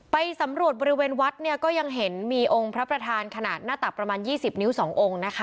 ไปสำรวจบริเวณวัดเนี่ยก็ยังเห็นมีองค์พระประธานขนาดหน้าตักประมาณ๒๐นิ้ว๒องค์นะคะ